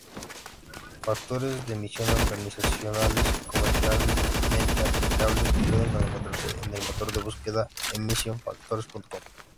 Factores de emisión organizacionales comercialmente aplicables pueden encontrarse en el motor de búsqueda EmissionFactors.com.